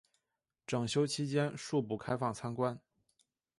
整修期间恕不开放参观